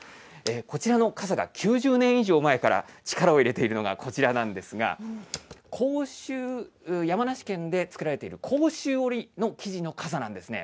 こちらの傘が９０年以上前から力を入れているのがこちらなんですが、山梨県で作られている甲州織の生地の傘なんですね。